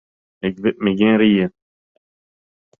Ik wit my gjin rie.